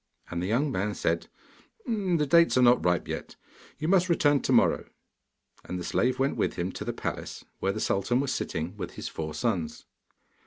And the young man said, 'The dates are not ripe yet; you must return to morrow.' And the slave went with him to the palace, where the sultan was sitting with his four sons.